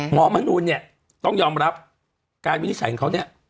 มนูลเนี่ยต้องยอมรับการวินิจฉัยของเขาเนี่ย